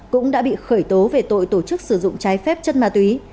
cũng đã bị khởi tố về tội tổ chức sử dụng trái phép chất ma túy